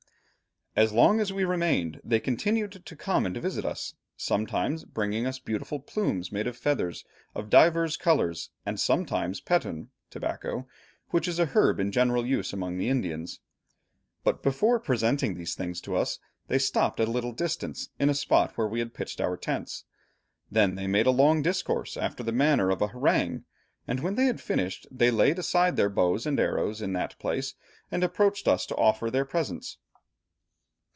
"As long as we remained, they continued to come and visit us, sometimes bringing us beautiful plumes made of feathers of divers colours, and sometimes petun (tobacco) which is a herb in general use among the Indians. But before presenting these things to us, they stopped at a little distance, in a spot where we had pitched our tents. Then they made a long discourse after the manner of a harangue, and when they had finished, they laid aside their bows and arrows in that place, and approached us to offer their presents."